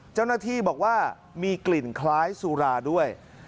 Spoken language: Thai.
เจ้าหน้าที่บอกว่ามีกลิ่นคล้ายสุราด้วย